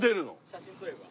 写真撮れば。